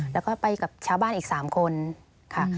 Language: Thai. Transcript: แล้วก็ไปกับชาวบ้านอีก๓คนค่ะ